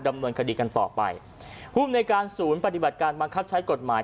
ดำเนินคดีกันต่อไปภูมิในการศูนย์ปฏิบัติการบังคับใช้กฎหมาย